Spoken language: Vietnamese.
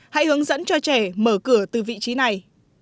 hãy hướng dẫn cho trẻ mở cửa từ vị trí này